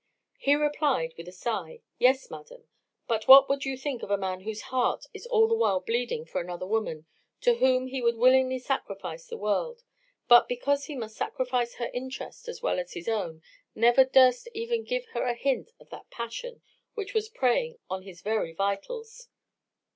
He replied, with a sigh, Yes, madam, but what would you think of a man whose heart is all the while bleeding for another woman, to whom he would willingly sacrifice the world; but, because he must sacrifice her interest as well as his own, never durst even give her a hint of that passion which was preying on his very vitals?